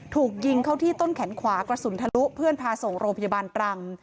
ถูกยิงเข้าที่ต้นแขนขวากระสุนทะลุเพื่อนพาส่งโรงพยาบาลตรัง